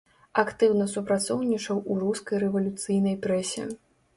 Актыўна супрацоўнічаў у рускай рэвалюцыйнай прэсе.